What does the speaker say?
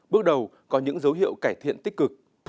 bước đầu có những dấu hiệu cải thiện tích cực